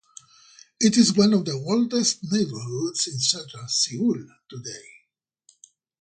It is one of the oldest neighborhoods in central Seoul, today.